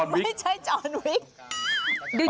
ไม่ใช่จรวิก